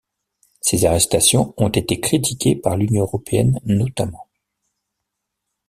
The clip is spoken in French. Ces arrestations ont été critiquées par l'Union européenne notamment.